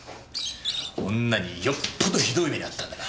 女によっぽどひどい目に遭ったんだな。